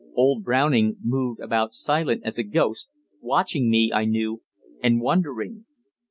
Old Browning moved about silent as a ghost, watching me, I knew, and wondering.